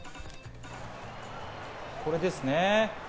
これですね。